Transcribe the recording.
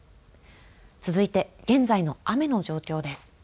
続いて現在の雨の状況です。